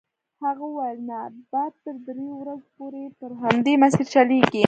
هغه وویل نه باد تر دریو ورځو پورې پر همدې مسیر چلیږي.